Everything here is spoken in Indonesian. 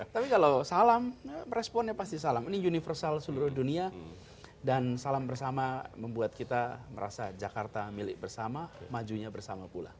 tapi kalau salam responnya pasti salam ini universal seluruh dunia dan salam bersama membuat kita merasa jakarta milik bersama majunya bersama pula